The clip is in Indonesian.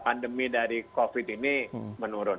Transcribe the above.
pandemi dari covid ini menurun